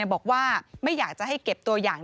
บอกว่าไม่อยากจะให้เก็บตัวอย่าง